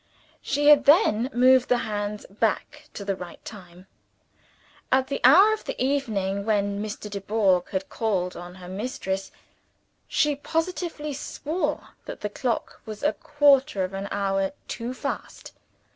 She had then moved the hands back to the right time. At the hour of the evening when Mr. Dubourg had called on her mistress, she positively swore that the clock was a quarter of an hour too fast.